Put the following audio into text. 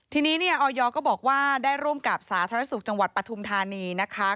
ทีนี้เนี่ยออยก็บอกว่าได้ร่วมกับสาธารณสุขจังหวัดปฐุมธานีนะคะ